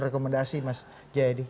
rekomendasi mas j d